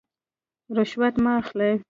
رشوت مه اخلئ